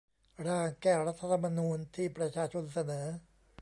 ร่าง แก้รัฐธรรมนูญ ที่ประชาชนเสนอ